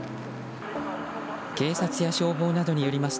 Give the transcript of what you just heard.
警察や消防などによります